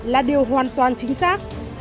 là điều hoàn toàn chính xác